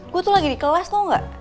gue tuh lagi di kelas tuh gak